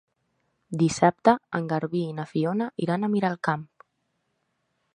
Dissabte en Garbí i na Fiona iran a Miralcamp.